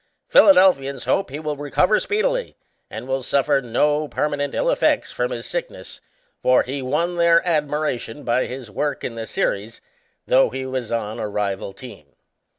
Philadelphians hope he will recover speedily and will suffer no permanent ill effects from his sickness, for he won their admiration by his work in the series, though he was on a rival team.